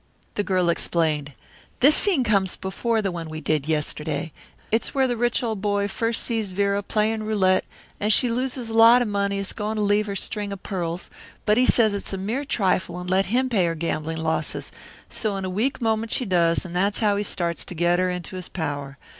The girl explained. "This scene comes before the one we did yesterday. It's where the rich old boy first sees Vera playing roulette, and she loses a lot of money and is going to leave her string of pearls, but he says it's a mere trifle and let him pay her gambling losses, so in a weak moment she does, and that's how he starts to get her into his power.